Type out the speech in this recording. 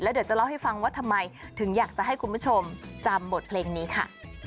เดี๋ยวจะเล่าให้ฟังว่าทำไมถึงอยากจะให้คุณผู้ชมจำบทเพลงนี้ค่ะ